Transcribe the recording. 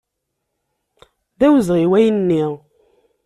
D awezɣi wayen-nni.